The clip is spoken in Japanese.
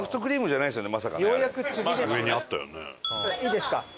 いいですか？